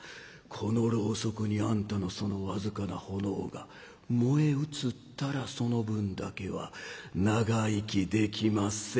このろうそくにあんたのその僅かな炎が燃え移ったらその分だけは長生きできまっせ」。